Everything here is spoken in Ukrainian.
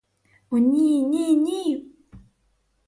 О, ні, ні, ні!